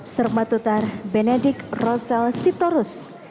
sermatutar benedik rosel sitorus